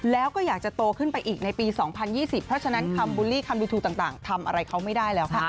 แล้วก็อยากจะโตขึ้นไปอีกในปี๒๐๒๐เพราะฉะนั้นคำบูลลี่คำดูทูต่างทำอะไรเขาไม่ได้แล้วค่ะ